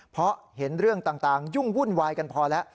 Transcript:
เพราะเห็นเรื่องต่างยุ่งวุ่นวายกันพอแล้ว